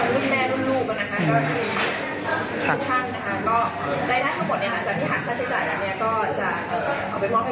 ทางผลที่หาค่าใช้จ่ายก็จะเอาไปมอบไปกับคนที่ช่วยทำใหม่อย่างนี้